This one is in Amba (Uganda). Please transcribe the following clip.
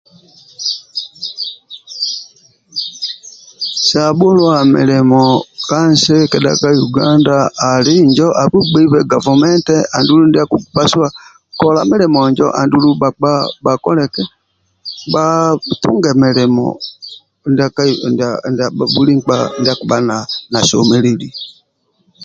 Sabhuluwa milimo ka nsi kedha ka Yuganda ali Injo abhugbeibe gavumenti andulu ndia akipasuwa kola milimo injo andulu bhakpa bhakole eki, bhatunge milimo ndia buli nkpa akibha nasomeleli